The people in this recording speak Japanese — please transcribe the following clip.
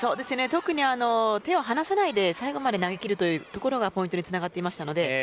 特に手を離さないで最後まで投げきるというところがポイントにつながっています。